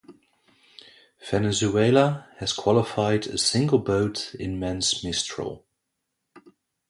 Venezuela has qualified a single boat in men's mistral.